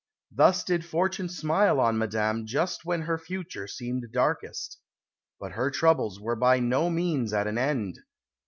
Thus did fortune smile on Madame just when her future seemed darkest. But her troubles were by no means at an end.